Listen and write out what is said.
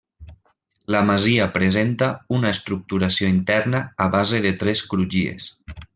La masia presenta una estructuració interna a base de tres crugies.